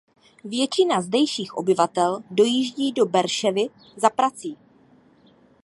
Většina zdejších obyvatel dojíždí do Beerševy za prací.